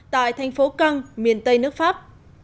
tại thành phố căng miền tây nước pháp